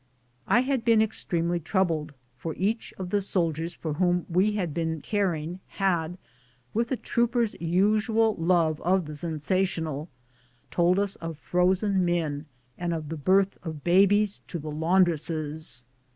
I had been extremely troubled, for each of the soldiers for whom we had been caring had, with a trooper's usual love of the sensational, told us of frozen men and of the birth of babies to the laundresses.